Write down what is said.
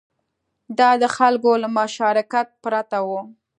دا د خلکو له مشارکت پرته و